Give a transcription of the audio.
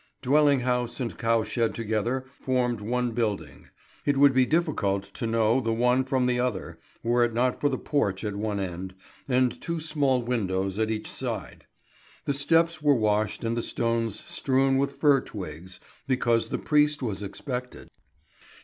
Dwelling house and cow shed together formed one building; it would be difficult to know the one from the other, were it not for the porch at one end, and two small windows at each side. The steps were washed and the stones strewn with fir twigs, because the priest was expected.